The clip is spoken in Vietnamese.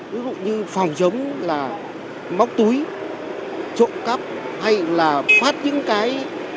ví dụ như phòng chống là móc túi trộm cắp hay là phát những cái